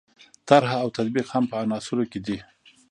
طرح او تطبیق هم په عناصرو کې دي.